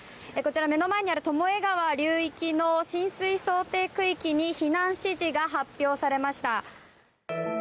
目の前にある巴川流域の浸水想定区域に避難指示が発表されました。